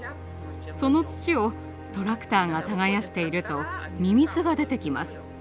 その土をトラクターが耕しているとミミズが出てきます。